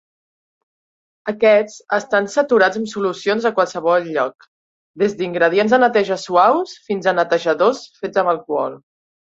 Aquests estan saturats amb solucions a qualsevol lloc, des d'ingredients de neteja suaus fins a "netejadors" fets amb alcohol.